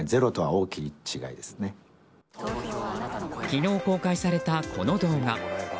昨日公開された、この動画。